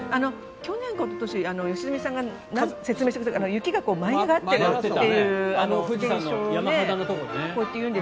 去年かおととし良純さんが説明してくれた雪が舞い上がってるという現象で。